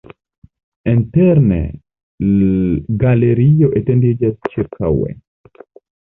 Interne galerio etendiĝas ĉirkaŭe.